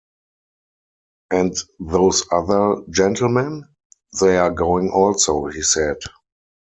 ‘And those other gentlemen?’ ‘They are going also,’ he said.